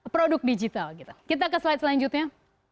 produk digital kita ke slide selanjutnya